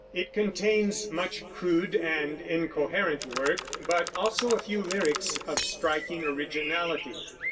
It contains much crude and incoherent work, but also a few lyrics of striking originality.